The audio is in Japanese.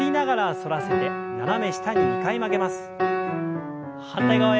反対側へ。